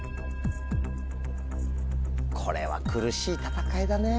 これは苦しい戦いだね。